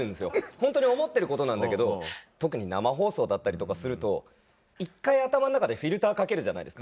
ホントに思ってることなんだけど特に生放送だったりとかすると１回頭の中でフィルターかけるじゃないですか。